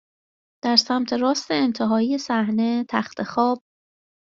در سمت راست انتهایی صحنه تخت خواب